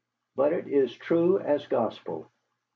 But it is true as gospel.